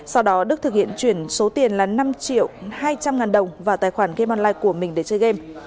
sau đó đức thực hiện chuyển số tiền là năm triệu hai trăm linh ngàn đồng vào tài khoản game online của mình để chơi game